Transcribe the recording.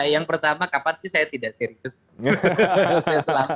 yang pertama kapan sih saya tidak serius